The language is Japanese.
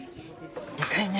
でかいね。